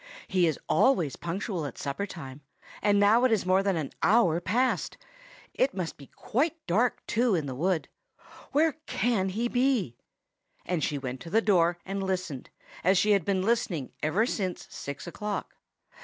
"He is always punctual at supper time; and now it is more than an hour past. It must be quite dark, too, in the wood. Where can he be?" And she went to the door and listened, as she had been listening ever since six o'clock.